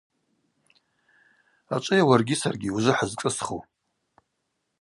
Ачӏвыйа уаргьи саргьи ужвы хӏызшӏысху.